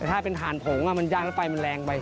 แต่ถ้าเป็นถ่านโผงย่านไปแล้วแรงไป